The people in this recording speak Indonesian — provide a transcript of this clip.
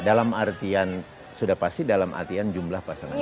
dalam artian sudah pasti dalam artian jumlah pasangan calon